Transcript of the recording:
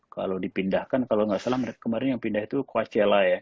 kalau dipindahkan kalau nggak salah kemarin yang pindah itu coachella ya